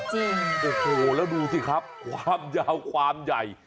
จริงโอ้โหแล้วดูสิครับความยาวความใหญ่